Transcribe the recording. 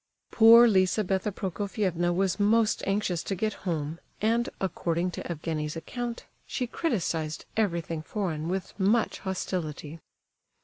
Poor Lizabetha Prokofievna was most anxious to get home, and, according to Evgenie's account, she criticized everything foreign with much hostility.